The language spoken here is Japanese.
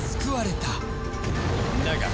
だが